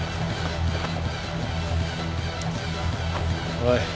おい。